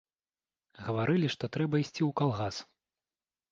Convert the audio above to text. Гаварылі, што трэба ісці ў калгас.